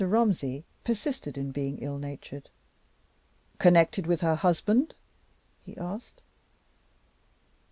Mr. Romsey persisted in being ill natured. "Connected with her husband?" he asked.